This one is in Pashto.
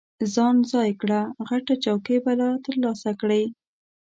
ځان ځای کړه، غټه چوکۍ به ترلاسه کړې.